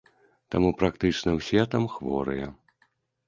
Таму практычна ўсе там хворыя.